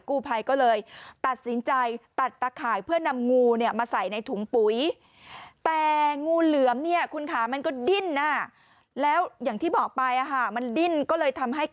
กู้ภัยก็เลยตัดสินใจตัดตาข่ายเพื่อนำงูมาใส่ในถุงปุ๋ย